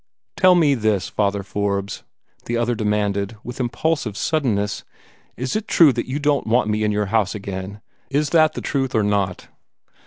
"Tell me this, Father Forbes," the other demanded, with impulsive suddenness, "is it true that you don't want me in your house again? Is that the truth or not?"